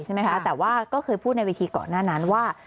ใช่ไหมคะแต่ว่าก็เคยพูดในเวทีก่อนหน้านั้นว่า